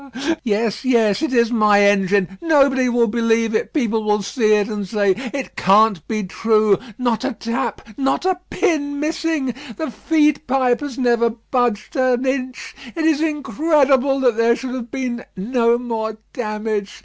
Yes, yes; it is my engine. Nobody will believe it; people will see it, and say, 'It can't be true.' Not a tap, not a pin missing. The feed pipe has never budged an inch. It is incredible that there should have been no more damage.